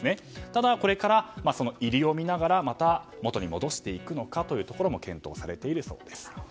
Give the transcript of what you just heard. ただ、これから入りを見ながら元に戻していくのか検討されているそうです。